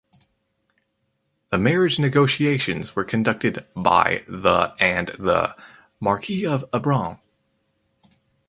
The marriage negotiations were conducted by the and the Marquis of Abrantes.